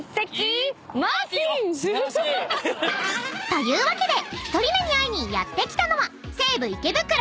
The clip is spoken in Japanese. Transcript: ［というわけで１人目に会いにやって来たのは］